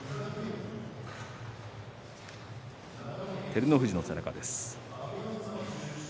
照ノ富士の背中です。